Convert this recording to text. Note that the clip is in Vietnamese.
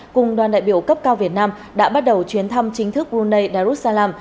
cùng đoàn đại biểu cấp cao việt nam đã bắt đầu chuyến thăm chính thức brunei darussalam